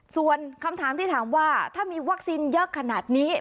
ส่วนคำถามที่ถามว่าถ้ามีวัคซีนเยอะขนาดนี้